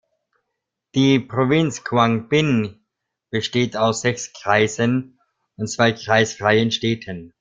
Die Provinz Quảng Bình besteht aus sechs Kreisen und zwei kreisfreien Städten.